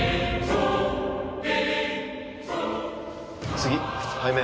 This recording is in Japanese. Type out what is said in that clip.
次背面。